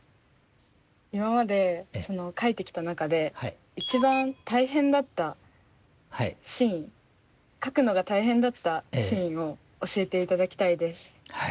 今まで描いてきた中で一番大変だったシーン描くのが大変だったシーンを教えて頂きたいです。